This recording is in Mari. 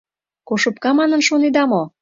Кошопка манын шонеда мо?